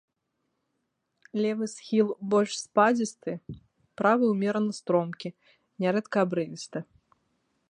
Левы схіл больш спадзісты, правы ўмерана стромкі, нярэдка абрывісты.